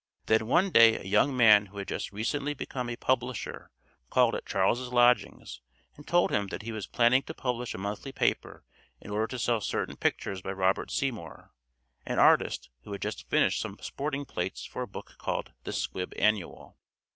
Then one day a young man who had just recently become a publisher called at Charles's lodgings and told him that he was planning to publish a monthly paper in order to sell certain pictures by Robert Seymour, an artist who had just finished some sporting plates for a book called "The Squib Annual."